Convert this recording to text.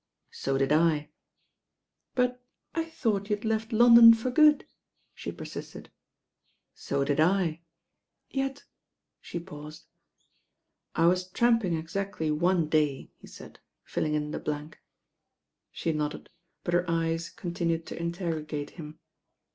"So did I." "But I thought you had left London for good," she persisted. "So did I." "Yet " she paused. "I was tramping exactly one day," he said, filling in the blank. She nodded; but her eyes continued to interrogate him.